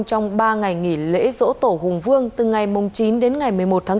trong ba ngày nghỉ lễ rỗ tổ hùng vương từ ngày chín đến một mươi một tháng bốn